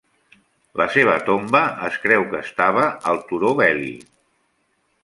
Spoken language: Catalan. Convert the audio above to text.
La seva tomba es creu que estava al turó Veli.